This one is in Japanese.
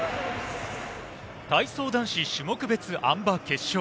体操男子種目別あん馬決勝。